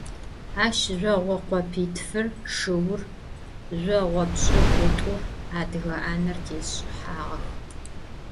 Aş zjoğo khopitfır, şşıur, zjoğo pş'ık'ut'ur, adıge 'aner têş'ıhağex.